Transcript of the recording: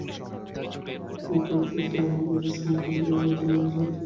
রানা প্লাজা বিপর্যয়সাভারে রানা প্লাজাধসের সময় বন্ধুরা এগিয়ে যান সাহায্যের হাত বাড়িয়ে।